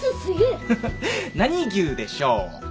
何牛でしょうか。